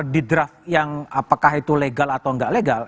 di draft yang apakah itu legal atau nggak legal